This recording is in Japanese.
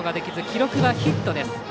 記録はヒットです。